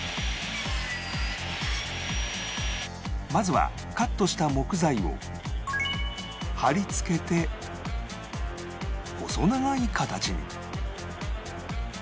まずはカットした木材を貼り付けて細長い形に